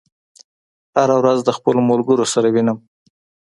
هره ورځ د خپلو ملګرو سره وینم.